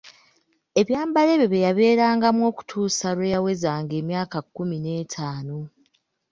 Ebyambalo ebyo bye yabeerangamu okutuusa lwe yawezanga emyaka kkumi n'etaano.